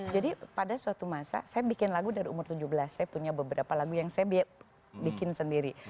jadi pada suatu masa saya bikin lagu dari umur tujuh belas saya punya beberapa lagu yang saya bikin sendiri